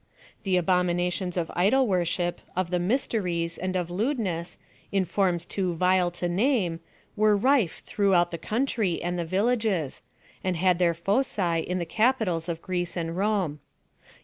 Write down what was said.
The abominations oi idol worship, of the mysteries, and of lewdness, in forms too vile to name, were rife throughout the country and the villages, and had their foci in the Capitols of Greece and Rome.